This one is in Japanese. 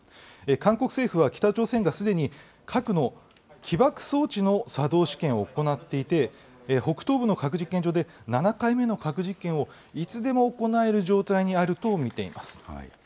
韓国政府は北朝鮮がすでに核の起爆装置の作動試験を行っていて、北東部の核実験場で７回目の核実験をいつでも行える状態にあると見ています。